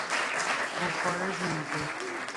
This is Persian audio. بخار زنده